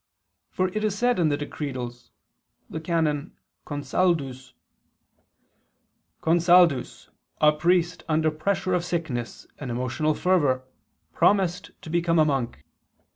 For it is said in the Decretals (XVII, qu. ii, can. Consaldus): "Consaldus, a priest under pressure of sickness and emotional fervour, promised to become a monk.